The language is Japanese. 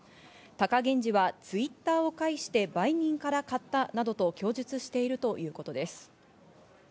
貴源治はＴｗｉｔｔｅｒを介して売人から買ったなどと供述しているということです。